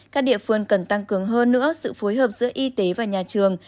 các địa phương cần tăng cường hơn nữa sự phối hợp giữa y tế và nhà trường